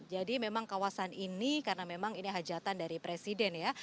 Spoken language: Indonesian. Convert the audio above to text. jadi memang kawasan ini karena memang ini hajatan dari presiden ya